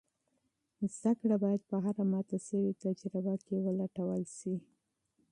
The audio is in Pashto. زده کړه باید په هره ماته شوې تجربه کې ولټول شي.